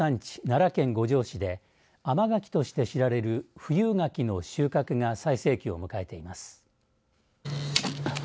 奈良県五條市で甘柿として知られる富有柿の収穫が最盛期を迎えています。